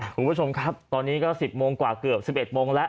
คุณผู้ชมครับตอนนี้ก็๑๐โมงกว่าเกือบ๑๑โมงแล้ว